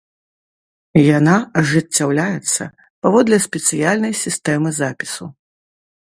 Яна ажыццяўляецца паводле спецыяльнай сістэмы запісу.